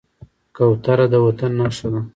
کوتره د وطن نښه ده.